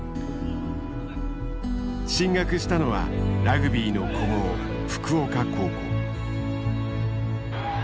進学したのはラグビーの古豪福岡高校。